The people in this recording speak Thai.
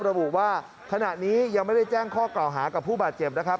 ระบุว่าขณะนี้ยังไม่ได้แจ้งข้อกล่าวหากับผู้บาดเจ็บนะครับ